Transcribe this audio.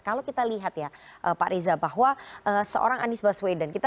kalau kita lihat ya pak reza bahwa seorang anies baswedan